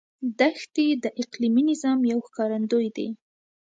دښتې د اقلیمي نظام یو ښکارندوی دی.